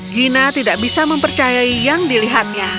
gina tidak bisa mempercayai yang dilihatnya